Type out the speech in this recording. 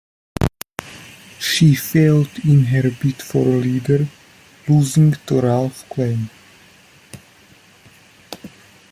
She failed in her bid for leader losing to Ralph Klein.